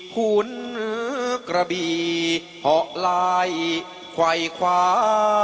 หุ้นกระบีเหาะลายไขว้คว้า